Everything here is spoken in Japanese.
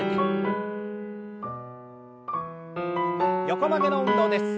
横曲げの運動です。